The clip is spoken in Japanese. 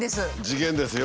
事件です。